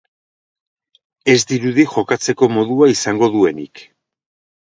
Ez dirudi jokatzeko modua izango duenik.